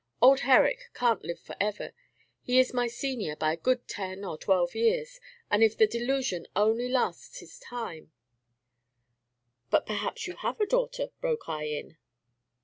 Old Herrick can't live forever; he is my senior by a good ten or twelve years; and if the delusion only lasts his time ' "'But perhaps you have a daughter?' broke I in.